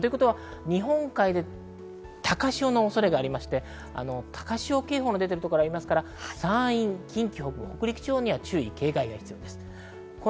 日本海で高潮の恐れがありまして、高潮警報の出ているところもありますので山陰、近畿北部、北陸地方には注意警戒が必要です。